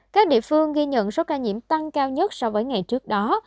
các địa phương ghi nhận số ca nhiễm tăng cao nhất so với ngày trước đó